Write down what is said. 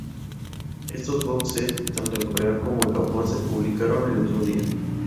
Estos box set, tanto en Corea como en Japón, se publicaron el mismo día.